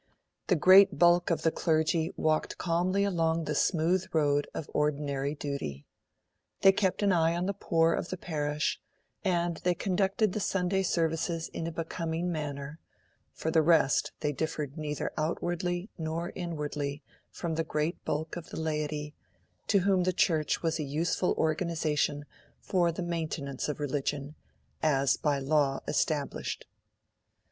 The great bulk of the clergy walked calmly along the smooth road of ordinary duty. They kept an eye on the poor of the parish, and they conducted the Sunday Services in a becoming manner; for the rest, they differed neither outwardly nor inwardly from the great bulk of the laity, to whom the Church was a useful organisation for the maintenance of Religion, as by law established.